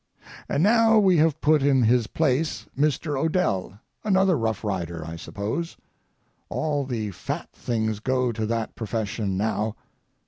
And now we have put in his place Mr. Odell, another Rough Rider, I suppose; all the fat things go to that profession now.